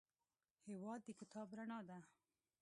هېواد د کتاب رڼا ده.